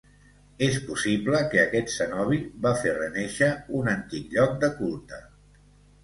És possible que aquest cenobi va fer renéixer un antic lloc de culte.